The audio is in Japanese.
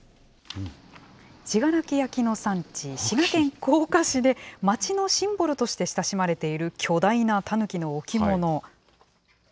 信楽焼の産地、滋賀県甲賀市で、町のシンボルとして親しまれている巨大なたぬきの置物。